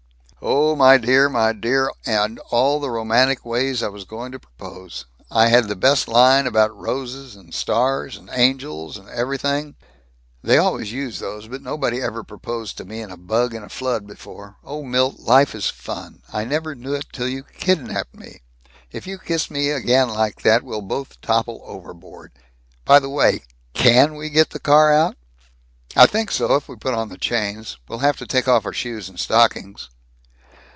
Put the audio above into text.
"Oh, my dear, my dear, and all the romantic ways I was going to propose! I had the best line about roses and stars and angels and everything " "They always use those, but nobody ever proposed to me in a bug in a flood before! Oh! Milt! Life is fun! I never knew it till you kidnapped me. If you kiss me again like that, we'll both topple overboard. By the way, can we get the car out?" "I think so, if we put on the chains. We'll have to take off our shoes and stockings."